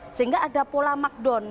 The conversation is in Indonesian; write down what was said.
sehingga ada pola markdown